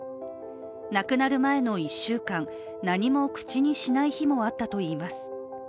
亡くなる前の１週間、何も口にしない日もあったといいます。